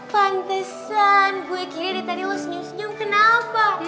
pantesan gue kira dari tadi lo senyum senyum kenapa